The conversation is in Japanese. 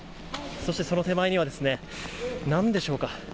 そして、その手前にはなんでしょうか？